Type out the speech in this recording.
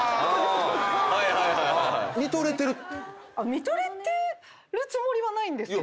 見とれてるつもりはないんですけど。